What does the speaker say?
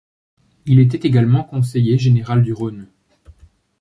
Il était également conseiller général du Rhône.